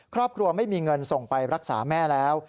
ครอบครัวไม่มีเงินส่งไปรักษาแม่แล้ว